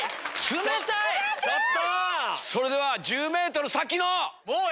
それでは１０ｍ先の。